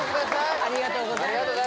ありがとうございます